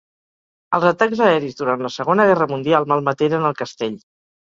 Els atacs aeris durant la segona guerra mundial malmeteren el castell.